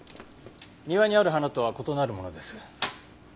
庭にある花とは異なるものです。